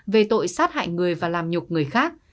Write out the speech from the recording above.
về tội sát hại người và làm nhục người khác